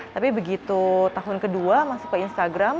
tapi begitu tahun kedua masuk ke instagram